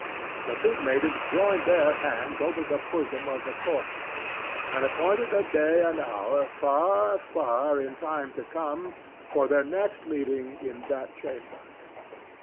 The two maidens joined their hands over the bosom of the corpse and appointed a day and hour far, far in time to come for their next meeting in that chamber.